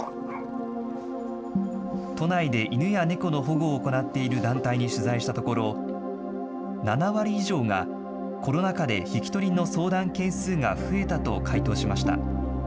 都内で犬や猫の保護を行っている団体に取材したところ、７割以上が、コロナ禍で引き取りの相談件数が増えたと回答しました。